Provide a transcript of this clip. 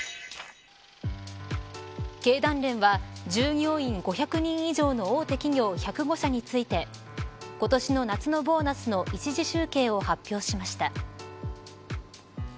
経団連は従業員５００人以上の大手企業１０５社について今年の夏のボーナスの１次集計を発表しました。